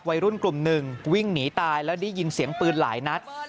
วัยรุ่นกลุ่มหนึ่งวิ่งหนีตายแล้วได้ยินเสียงปืนหลายนัด